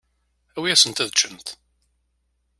Awi-yasent ad ččent.